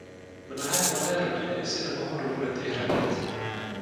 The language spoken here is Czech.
Mnohé mladé rodiny si nemohou dovolit ji hradit.